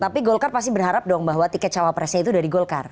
tapi golkar pasti berharap dong bahwa tiket cawapresnya itu dari golkar